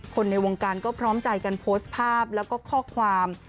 ในวงการก็พร้อมใจกันโพสต์ภาพแล้วก็ข้อความ